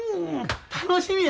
楽しみや。